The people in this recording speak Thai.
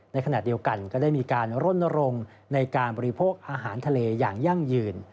ในขณะเดียวกันก็ได้มีการรณรงค์ในการบริโภคอาหารทะเลอย่างยั่งยืน